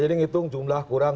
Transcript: jadi ngitung jumlah kurang